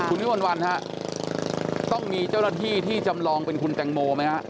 คุณวิมวลวันฮะต้องมีเจ้าหน้าที่ที่จำลองเป็นคุณแตงโมไหมฮะ